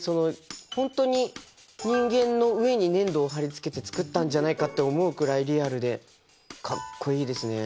本当に人間の上に粘土を貼り付けて作ったんじゃないかって思うくらいリアルでかっこいいですね。